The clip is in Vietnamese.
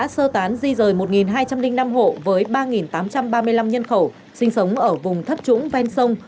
sơ tán di rời một hai trăm linh năm hộ với ba tám trăm ba mươi năm nhân khẩu sinh sống ở vùng thấp trũng ven sông